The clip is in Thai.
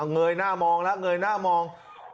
เงยหน้ามองแล้วเงยหน้ามอง